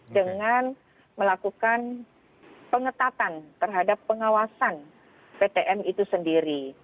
dengan melakukan pengetatan terhadap pengawasan ptm itu sendiri